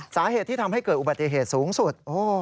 สาเหตุที่ทำให้เกิดอุบัติเหตุสูงสุด